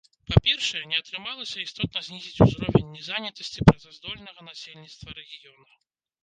Па-першае, не атрымалася істотна знізіць узровень незанятасці працаздольнага насельніцтва рэгіёна.